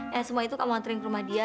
ya semua itu kamu anterin ke rumah dia